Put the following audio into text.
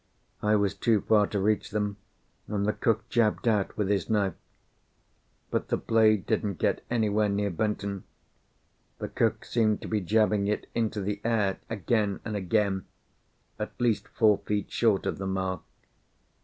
I was too far to reach them, and the cook jabbed out with his knife. But the blade didn't get anywhere near Benton. The cook seemed to be jabbing it into the air again and again, at least four feet short of the mark.